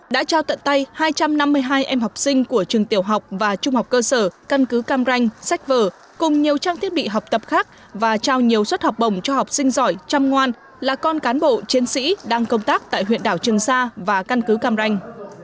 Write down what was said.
đã trao tận tay hai trăm năm mươi hai em học sinh của trường tiểu học và trung học cơ sở căn cứ cam ranh sách vở cùng nhiều trang thiết bị học tập khác và trao nhiều suất học bổng cho học sinh giỏi chăm ngoan là con cán bộ chiến sĩ đang công tác tại huyện đảo trường sa và căn cứ cam ranh